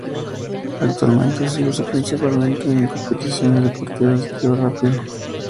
Actualmente, se usa principalmente en competiciones deportivas de tiro rápido.